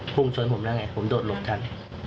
พุ่งชนผมแล้วไงผมโดดหลบทัน